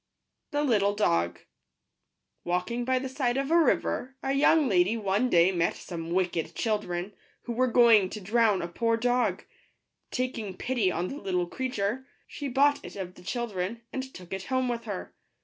®jj« little ®og. g StsMtMMiM . AfcJE TALKING by the side of a river, a young lady one day met some wicked children, who were going to drown a poor dog. Taking pity on the little creature, she bought it of the children, and took it home with her.